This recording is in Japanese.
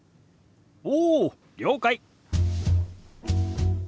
おお了解！